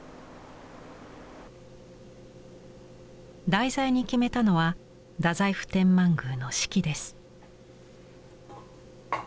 題材に決めたのは太宰府天満宮の四季です。